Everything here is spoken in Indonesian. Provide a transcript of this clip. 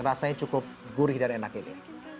rasanya cukup gurih dan enak ini